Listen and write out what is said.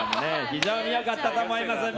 非常に良かったと思います。